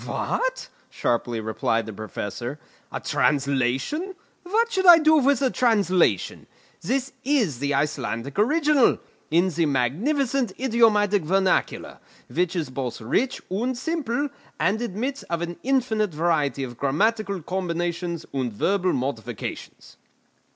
"What!" sharply replied the Professor, "a translation! What should I do with a translation? This is the Icelandic original, in the magnificent idiomatic vernacular, which is both rich and simple, and admits of an infinite variety of grammatical combinations and verbal modifications."